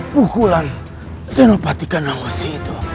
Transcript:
pukulan xenopatikan awasi itu